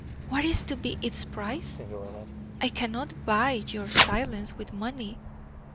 What is to be its price? I cannot buy your silence with money.